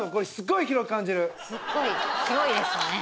すっごい広いですよね。